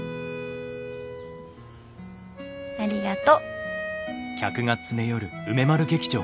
ありがと。